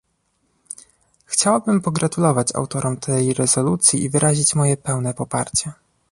Chciałabym pogratulować autorom tej rezolucji i wyrazić moje pełne poparcie